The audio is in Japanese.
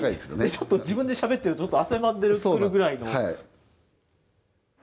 ちょっと自分でしゃべってると、ちょっと汗ばんでくるぐらいの。